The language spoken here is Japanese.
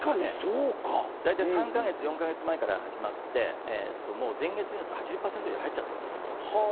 大体３か月、４か月前から始まって前日になると８０％以上になっています。